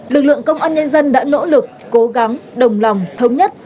lực lượng công an nhân dân đã nỗ lực cố gắng đồng lòng thống nhất